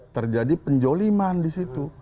terjadi penjoliman di situ